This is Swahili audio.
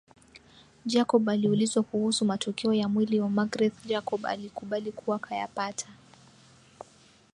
Jacob aliulizwa kuhusu matokeo ya mwili wa Magreth Jacob alikubali kuwa kayapata